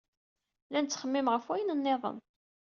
La nettxemmim ɣef wayen niḍen.